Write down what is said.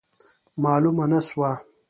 معلومه نه سوه.